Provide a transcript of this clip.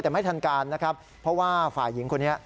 แต่ไม่ทันการนะครับเพราะว่าฝ่ายหญิงคนนี้